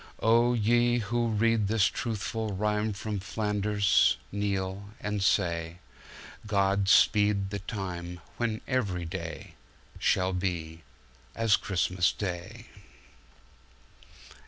Oh ye who read this truthful rimeFrom Flanders, kneel and say:God speed the time when every dayShall be as Christmas Day.